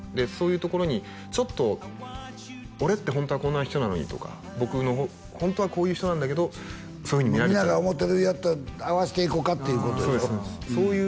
そういうところにちょっと俺ってホントはこんな人なのにとかホントはこういう人なんだけどそういうふうに見られちゃう皆が思ってるやつと合わせていこうかってことでしょう？